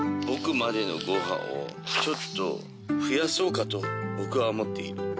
僕までのご飯をちょっと増やそうかと僕は思っている」